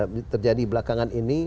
yang terjadi belakangan ini